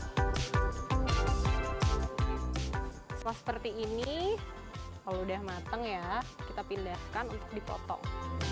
setelah seperti ini kalau udah matang ya kita pindahkan untuk dipotong